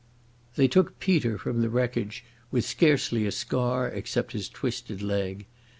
They took Peter from the wreckage with scarcely a scar except his twisted leg.